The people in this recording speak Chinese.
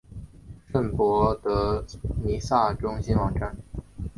圣博德弥撒中心网站